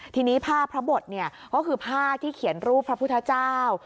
ทีนี้ผ้าพระบทก็คือผ้าที่เขียนรูปพระพุทธเจ้า